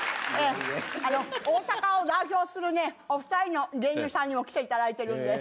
あの大阪を代表するねお２人の芸人さんにも来て頂いてるんです。